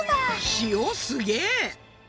塩すげえ！